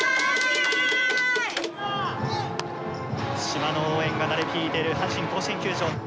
「島の応援が鳴り響いている阪神甲子園球場。